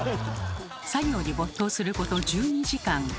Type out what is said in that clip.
作業に没頭すること１２時間。